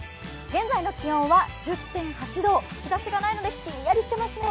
現在の気温は１０．８度、日ざしがないのでひんやりしてますね。